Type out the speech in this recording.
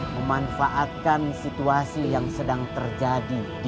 memanfaatkan situasi yang sedang terjadi